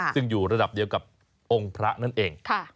ซึ่งอยู่ระดับเดียวกับองค์พระนั่นเอง